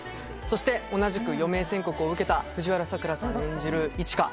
そして同じく余命宣告を受けた藤原さくらさんが演じる一花。